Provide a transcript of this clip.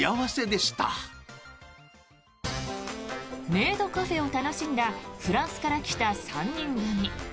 メイドカフェを楽しんだフランスから来た３人組。